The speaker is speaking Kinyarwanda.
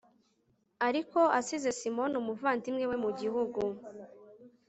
ariko asize simoni, umuvandimwe we mu gihugu